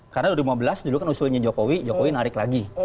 karena dua ribu lima belas dulu kan usulnya jokowi jokowi narik lagi